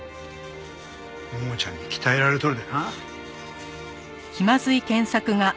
桃ちゃんに鍛えられとるでな。